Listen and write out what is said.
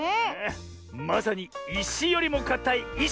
まさにいしよりもかたいいし！